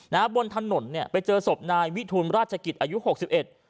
บนถนนเนี่ยไปเจอศพนายวิทูลราชกิจอายุหกสิบเอ็ด